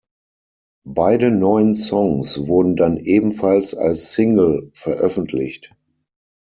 Beide neuen Songs wurden dann ebenfalls als Single veröffentlicht.